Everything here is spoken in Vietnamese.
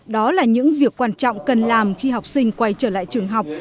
đó là những việc quan trọng cần làm khi học sinh quay trở lại trường học